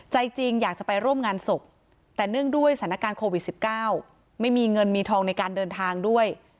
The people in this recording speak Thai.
ใจจริงอยากจะไปร่วมงานศพแต่เนื่องด้วยสถานการณ์โควิด๑๙ไม่มีเงินมีทองในการเดินทางด้วย